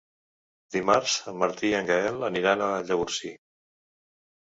Dimarts en Martí i en Gaël aniran a Llavorsí.